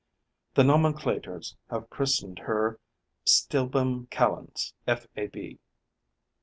The nomenclators have christened her Stilbum calens, FAB.